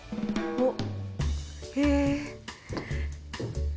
おっ。